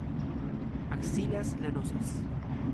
Axilas lanosas.